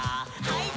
はい。